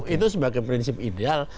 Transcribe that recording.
itu sebagai prinsip ideal